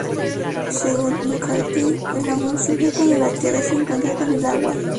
Según McCartney, el amor surge cuando la tierra se encuentra con el agua.